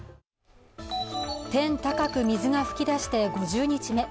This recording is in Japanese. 天高く水が噴き出して５０日目。